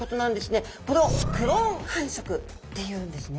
これをクローン繁殖っていうんですね。